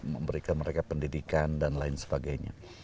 memberikan mereka pendidikan dan lain sebagainya